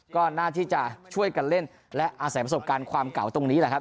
ก็น่าที่จะช่วยกันเล่นและอาศัยประสบการณ์ความเก่าตรงนี้แหละครับ